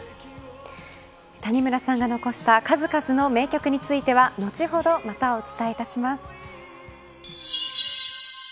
谷村さんが残した数々の名曲については後ほど、またお伝えします。